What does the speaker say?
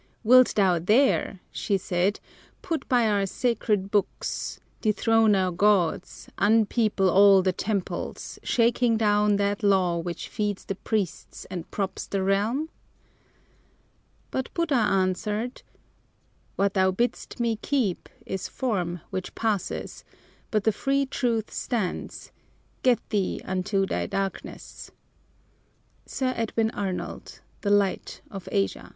"Wilt thou dare," she said, "Put by our sacred books, dethrone our gods, Unpeople all the temples, shaking down That law which feeds the priests and props the realm?" But Buddha answered, "What thou bidd'st me keep Is form which passes, but the free Truth stands; Get thee unto thy darkness." SIR EDWIN ARNOLD, The Light of Asia.